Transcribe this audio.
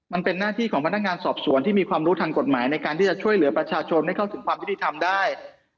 มันเป็นหน้าที่ของพนักงานสอบสวนที่มีความรู้ทางกฎหมายในการที่จะช่วยเหลือประชาชนให้เข้าถึงความยุติธรรมได้